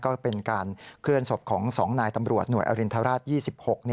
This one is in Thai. ก็เป็นการเคลื่อนศพของ๒นายตำรวจหน่วยอรินทราช๒๖